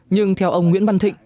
nhưng theo ông nguyễn văn thịnh